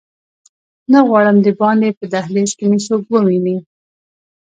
نه غواړم دباندې په دهلېز کې مې څوک وویني.